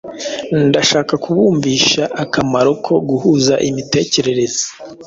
Ndashaka kubumvisha akamaro ko guhuza imitekerereze